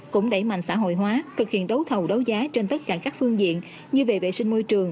cũng đẩy mạnh xã hội hóa thực hiện đấu thầu đấu giá trên tất cả các phương diện như về vệ sinh môi trường